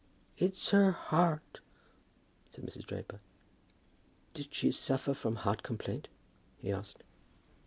"It's her heart," said Mrs. Draper. "Did she suffer from heart complaint?" he asked.